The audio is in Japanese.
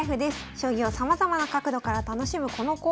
将棋をさまざまな角度から楽しむこのコーナー。